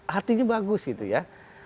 hatinya bagus gitu ya